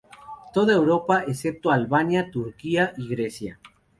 Toda Europa, excepto Albania, Turquía y Grecia.